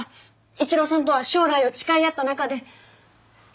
一郎さんとは将来を誓い合った仲で。